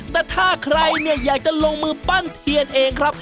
แต่ถ้าใครเนี่ยอยากจะลงมือปั้นเทียนเองครับ